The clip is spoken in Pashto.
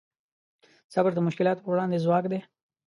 صبر د مشکلاتو په وړاندې ځواک دی.